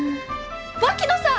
槙野さん！？